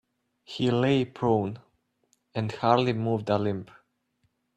He lay prone and hardly moved a limb.